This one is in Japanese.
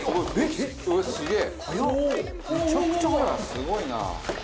すごいな。